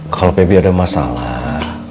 kalau pebi ada masalah